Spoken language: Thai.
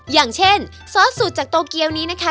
อย่างเช่นซอสสูตรจากโตเกียวนี้นะคะ